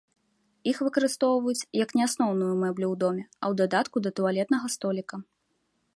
Іх выкарыстоўваюць як не асноўную мэблю ў доме, а ў дадатку да туалетнага століка.